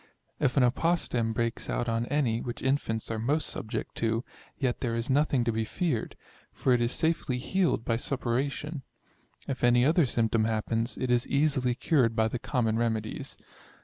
If an apostem breaks out on any (which infants are most subject to) yet there is nothing to be feared, for it is safely healed by suppuration. If any other symptom happens, it is easily cured by the common remedies.